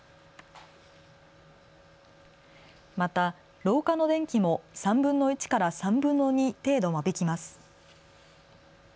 また廊下の電気も３分の１から３分の２程度、間引きます。